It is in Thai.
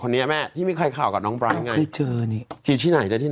คนนี้อะแม่ที่มีใครข่ากับน้องบร้ายไงเขาเคยเจอนี่ที่ที่ไหนที่ที่